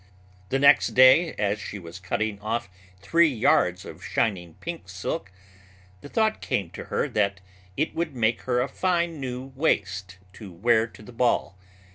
The next day as she was cutting off three yards of shining pink silk, the thought came to her that it would make her a fine new waist to wear to the ball.